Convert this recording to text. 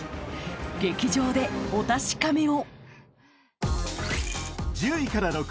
劇場でお確かめを。